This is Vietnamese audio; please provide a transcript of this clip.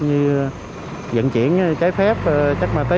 như dẫn chuyển trái phép chắc mà tí